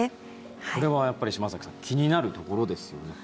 これは、島崎さん気になるところですよね。